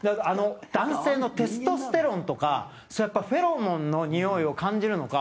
男性のテストステロンとかフェロモンの匂いを感じるのか。